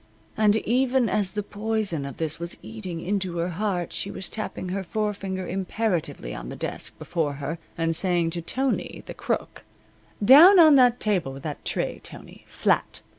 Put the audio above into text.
And even as the poison of this was eating into her heart she was tapping her forefinger imperatively on the desk before her and saying to Tony, the Crook: "Down on the table with that tray, Tony flat.